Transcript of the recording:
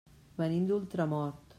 Venim d'Ultramort.